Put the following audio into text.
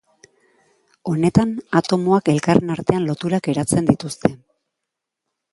Honetan, atomoak elkarren artean loturak eratzen dituzte.